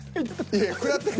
いや食らってる。